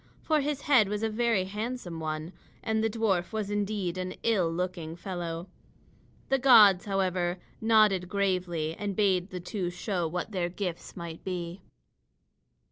For his head was a very handsome one, and the dwarf was indeed an ill looking fellow. The gods, however, nodded gravely, and bade the two show what their gifts might be.